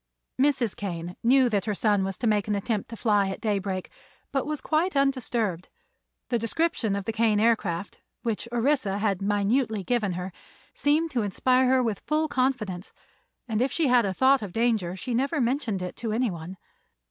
Mrs. Kane knew that her son was to make an attempt to fly at daybreak, but was quite undisturbed. The description of the Kane Aircraft, which Orissa had minutely given her, seemed to inspire her with full confidence, and if she had a thought of danger she never mentioned it to anyone.